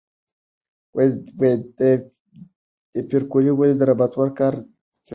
پېیر کوري ولې د لابراتوار کار ځای سم کړ؟